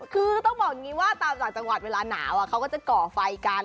คือต้องบอกว่าตามจากจังหวัดเวลาหนาวเขาก็จะก่อไฟกัน